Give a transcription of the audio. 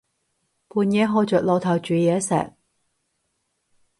半夜開着爐頭煮嘢食